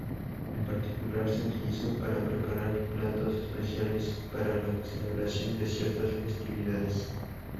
En particular, se utiliza para preparar platos especiales para la celebración de ciertas festividades.